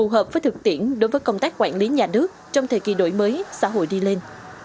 hợp với thực tiễn đối với công tác quản lý nhà nước trong thời kỳ đổi mới xã hội đi lên